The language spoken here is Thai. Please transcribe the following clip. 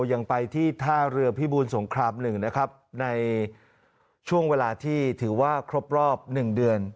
ยังไปที่ท่าเรือพิบูลสงคราม๑นะครับในช่วงเวลาที่ถือว่าครบรอบหนึ่งเดือน